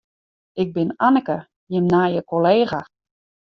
Ik bin Anneke, jim nije kollega.